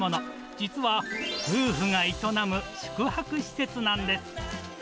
実は、夫婦が営む宿泊施設なんです。